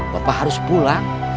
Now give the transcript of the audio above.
bapak harus pulang